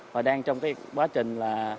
và đang trong quá trình